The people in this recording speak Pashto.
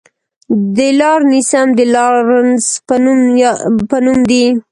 د لارنسیم د لارنس په نوم دی.